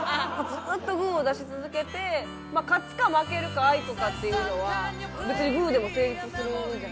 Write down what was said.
ずーっとグーを出し続けて勝つか負けるかあいこかっていうのは別にグーでも成立するじゃないですか。